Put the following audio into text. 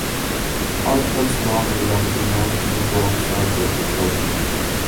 Arcades run along the north and south sides of the garden.